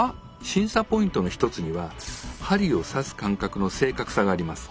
審査ポイントの一つには針を刺す間隔の正確さがあります。